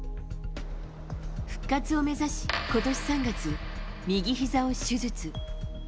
復活を目指し今年３月、右ひざを手術。